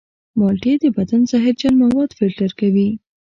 مالټې د بدن زهرجن مواد فلتر کوي.